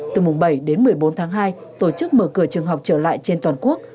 từ mùng bảy đến một mươi bốn tháng hai tổ chức mở cửa trường học trở lại trên toàn quốc